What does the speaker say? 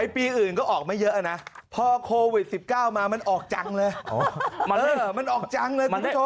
ปีอื่นก็ออกมาเยอะนะพอโควิด๑๙มามันออกจังเลย